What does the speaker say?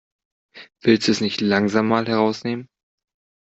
Willst du es nicht langsam mal herausnehmen?